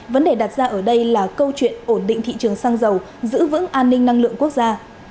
vấn đề đặt ra ở đây là câu chuyện ổn định thị trường xăng dầu giữ vững an ninh năng lượng quốc gia